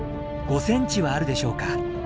５センチはあるでしょうか。